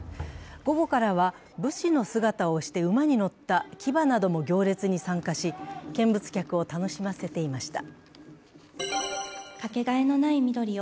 午後からは武士の姿をして馬に乗った騎馬なども行列に参加し見物客を楽しませていました。